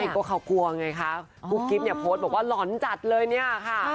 ไม่เพราะเขากลัวไงคะกุ๊บกิ๊บโพสต์บอกว่าหลอนจัดเลยเนี่ยค่ะ